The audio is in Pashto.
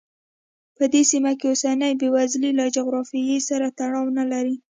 په دې سیمه کې اوسنۍ بېوزلي له جغرافیې سره تړاو نه لري.